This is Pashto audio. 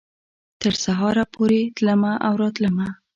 تر سهاره پورې تلمه او راتلمه